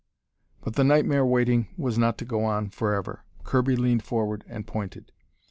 But the nightmare waiting was not to go on forever. Kirby leaned forward and pointed.